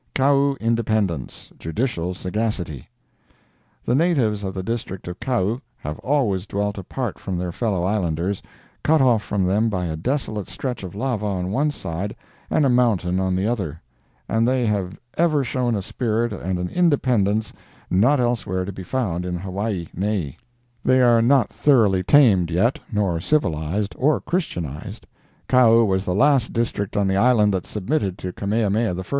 KAU INDEPENDENCE—JUDICIAL SAGACITY The natives of the district of Kau have always dwelt apart from their fellow islanders—cut off from them by a desolate stretch of lava on one side and a mountain on the other—and they have ever shown a spirit and an independence not elsewhere to be found in Hawaii nei. They are not thoroughly tamed yet, nor civilized or Christianized. Kau was the last district on the island that submitted to Kamehameha I.